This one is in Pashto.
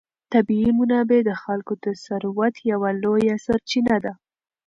طبیعي منابع د خلکو د ثروت یوه لویه سرچینه ده.